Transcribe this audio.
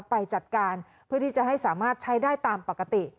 ไปจัดการเพื่อที่จะให้สามารถใช้ได้ตามปกติ